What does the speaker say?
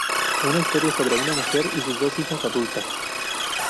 Una historia sobre una mujer y sus dos hijas adultas.